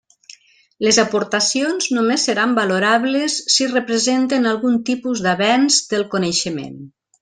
Les aportacions només seran valorables si representen algun tipus d'avenç del coneixement.